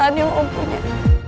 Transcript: danil om punya